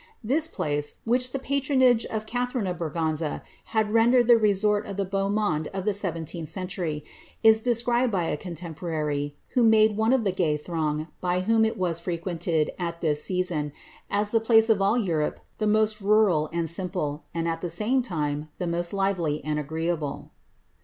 This place, which the patronage of Catharine oif Braganza had rendered the resort of the beau monde of the 17th cen tury, is described by a contemporary, who made one of the gay throng by whom it was frequented at that season, as the place of all Europe the most rural and simple, and at the same time the most lively and agreeable.